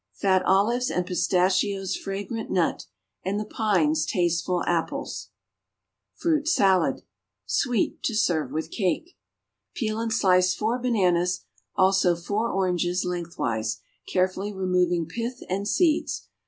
= "Fat olives and pistachio's fragrant nut, And the pine's tasteful apple." =Fruit Salad.= (Sweet, to serve with cake.) Peel and slice four bananas, also four oranges, lengthwise, carefully removing pith and seeds.